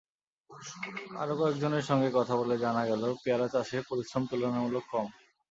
আরও কয়েকজনের সঙ্গে কথা বলে জানা গেল, পেয়ারা চাষে পরিশ্রম তুলনামূলক কম।